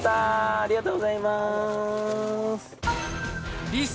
ありがとうございます。